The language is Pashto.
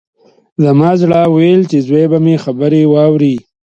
زما زړه ویل چې زوی به مې خبرې واوري